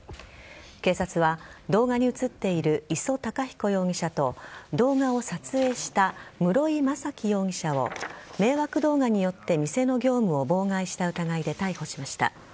警察は動画に映っている礒隆彦容疑者と動画を撮影した室井大樹容疑者を迷惑動画によって店の業務を妨害した疑いで逮捕しました。